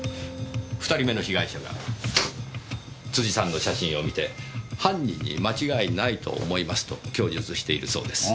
２人目の被害者が辻さんの写真を見て「犯人に間違いないと思います」と供述しているそうです。